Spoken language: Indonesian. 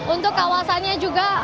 untuk kawasannya juga